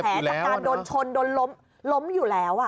จากการโดนชนโดนล้มล้มอยู่แล้ว